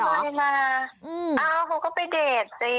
อ้าวเค้าก็ไปเดทสิ